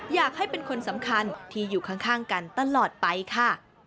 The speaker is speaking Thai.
อยากให้เป็นคนสำคัญที่อยู่ข้างกันตลอดไปค่ะ